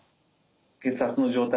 血圧の状態